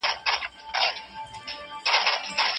د مور تغذیه مهمه ده.